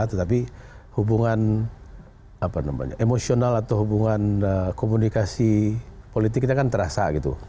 tetapi hubungan emosional atau hubungan komunikasi politiknya kan terasa gitu